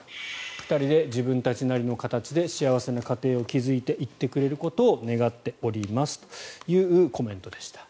２人で自分たちなりの形で幸せな家庭を築いていってくれることを願っておりますというコメントでした。